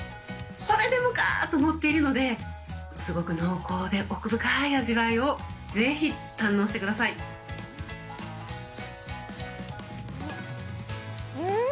これでもか！と盛っているので、すごく濃厚で奥深い味わいをぜひ堪能してくだうーん。